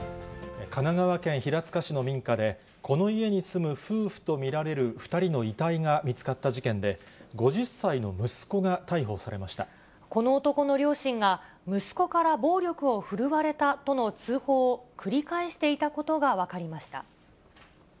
神奈川県平塚市の民家で、この家に住む夫婦と見られる２人の遺体が見つかった事件で、この男の両親が、息子から暴力を振るわれたとの通報を繰り返していたことが分かりました。